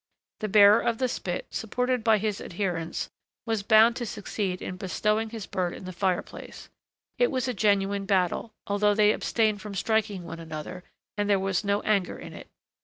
The bearer of the spit, supported by his adherents, was bound to succeed in bestowing his bird in the fire place. It was a genuine battle, although they abstained from striking one another, and there was no anger in it.